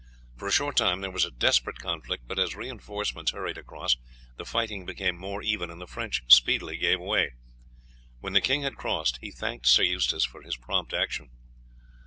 For a short time there was a desperate conflict, but as reinforcements hurried across, the fight became more even and the French speedily gave way. When the king had crossed he thanked Sir Eustace for his prompt action.